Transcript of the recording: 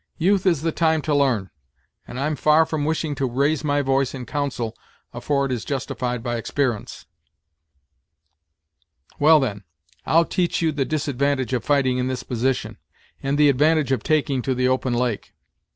"Youth is the time to l'arn; and I'm far from wishing to raise my voice in counsel, afore it is justified by exper'ence." "Well, then, I'll teach you the disadvantage of fighting in this position, and the advantage of taking to the open lake.